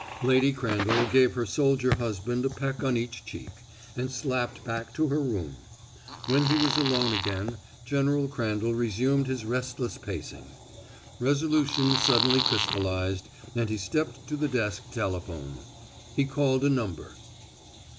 Lady Crandall gave her soldier husband a peck on each cheek, and slapped back to her room. When he was alone again, General Crandall resumed his restless pacing. Resolution suddenly crystallized, and he stepped to the desk telephone. He called a number.